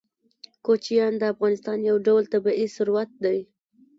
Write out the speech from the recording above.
کوچیان د افغانستان یو ډول طبعي ثروت دی.